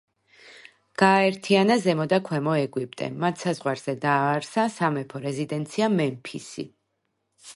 გააერთიანა ზემო და ქვემო ეგვიპტე; მათ საზღვარზე დააარსა სამეფო რეზიდენცია მემფისი.